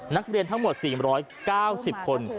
นักเรียนทั้งหมด๔๙๐คน